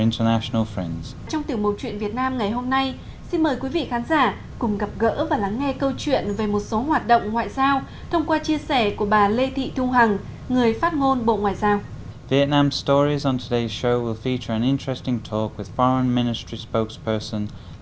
trong tiểu mục chuyện việt nam ngày hôm nay xin mời quý vị khán giả cùng gặp gỡ và lắng nghe câu chuyện về một số hoạt động ngoại giao thông qua chia sẻ của bà lê thị thu hằng người phát ngôn bộ ngoại giao